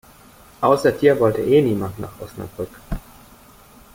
Außer dir wollte eh niemand nach Osnabrück.